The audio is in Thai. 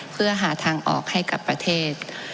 เพื่อหาทางออกให้กับประเทศ